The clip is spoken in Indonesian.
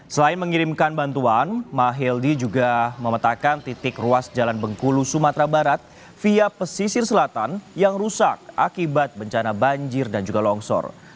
selain mengirimkan bantuan mahildi juga memetakan titik ruas jalan bengkulu sumatera barat via pesisir selatan yang rusak akibat bencana banjir dan juga longsor